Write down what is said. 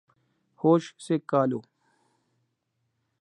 ہوش سے کا لو